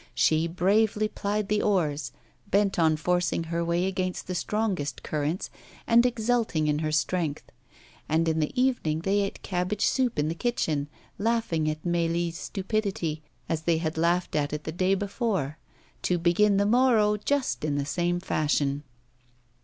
She bravely plied the oars, bent on forcing her way against the strongest currents, and exulting in her strength. And in the evening they ate cabbage soup in the kitchen, laughing at Mélie's stupidity, as they had laughed at it the day before; to begin the morrow just in the same fashion.